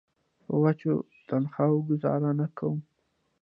په وچه تنخوا ګوزاره نه کوم.